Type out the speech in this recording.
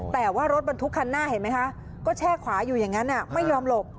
แต่ว่ารถบรรทุกคันหน้าเห็นไหมคะก็แช่ขวาอยู่อย่างนั้นไม่ยอมหลบ